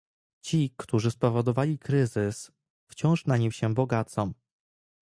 ci, którzy spowodowali kryzys, wciąż na nim się bogacą